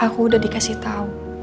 aku udah dikasih tau